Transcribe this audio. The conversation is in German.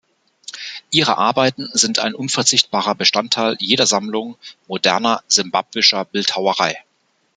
Ihre Arbeiten sind ein unverzichtbarer Bestandteil jeder Sammlung moderner simbabwischer Bildhauerei.